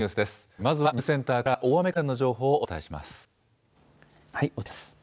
まずはニュースセンターから、大雨関連の情報をお伝えします。